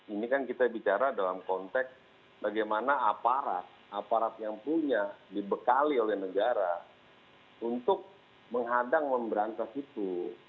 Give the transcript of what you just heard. ini kan kita bicara dalam konteks bagaimana aparat aparat yang punya dibekali oleh negara untuk menghadang memberantas itu